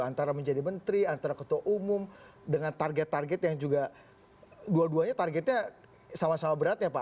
antara menjadi menteri antara ketua umum dengan target target yang juga dua duanya targetnya sama sama berat ya pak